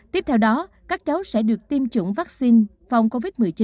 tiếp theo đó các cháu sẽ được tiêm chủng vaccine phòng covid một mươi chín